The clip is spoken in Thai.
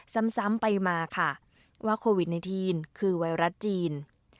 ซ้ำไปมาค่ะว่าโควิดในทีนคือไวรัสจีน